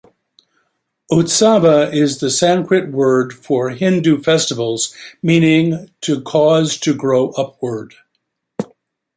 'Utsava' is the Sanskrit word for Hindu festivals, meaning 'to cause to grow 'upward'.